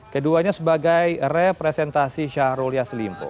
keduanya sebagai representasi syahrul yassin limpo